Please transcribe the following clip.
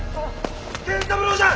源三郎じゃ！